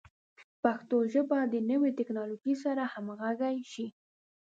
پښتو ژبه د نویو ټکنالوژیو سره همغږي شي.